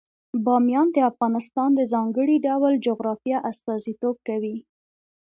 بامیان د افغانستان د ځانګړي ډول جغرافیه استازیتوب کوي.